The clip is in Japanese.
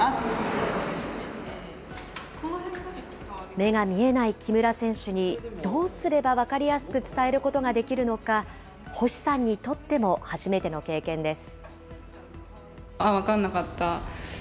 目が見えない木村選手に、どうすれば分かりやすく伝えることができるのか、星さんにとっても初めての経験です。